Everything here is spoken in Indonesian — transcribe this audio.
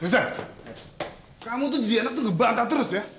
tristan kamu tuh jadi anak tuh ngebantah terus ya